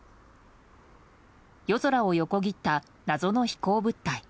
夜空を横切った謎の飛行物体。